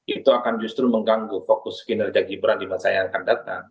itu akan justru mengganggu fokus kinerja gibran di masa yang akan datang